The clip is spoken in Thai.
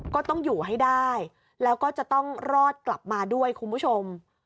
ก็ต้องอยู่ให้ได้แล้วก็จะต้องรอดกลับมาด้วยคุณผู้ชม